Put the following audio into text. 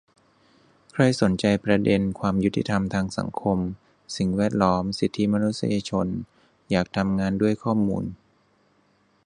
ใครสนใจประเด็นความยุติธรรมทางสังคม สิ่งแวดล้อม สิทธิมนุษยชน อยากทำงานด้วยข้อมูล